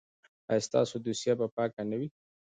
ایا ستاسو دوسیه به پاکه نه وي؟